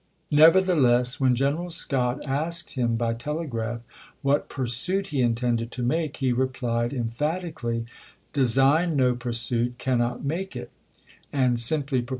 Nevertheless, when ch. xvm. General Scott asked him by telegraph what pursuit Patterson he intended to make, he replied emphatically, " De ^i^g^^'j ^^f® sign no pursuit ; cannot make it "; and simply pro ^i.